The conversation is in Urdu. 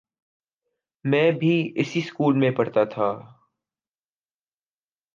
میں بھی اسی سکول میں پڑھتا تھا۔